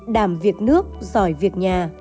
đảm việc nước giỏi việc nhà